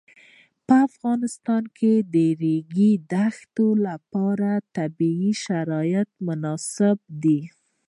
په افغانستان کې د د ریګ دښتې لپاره طبیعي شرایط مناسب دي.